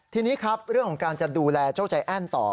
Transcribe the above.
ทีนี้ครับเรื่องของการจะดูแลเจ้าใจแอ้นต่อ